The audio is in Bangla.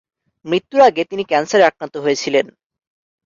মৃত্যুর আগে তিনি ক্যান্সারে আক্রান্ত হয়েছিলেন।